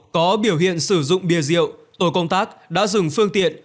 có biểu hiện sử dụng bia rượu tổ công tác đã dừng phương tiện